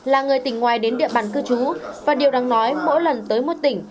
là người tỉnh ngoài đến địa bàn cư trú và điều đáng nói mỗi lần tới một tỉnh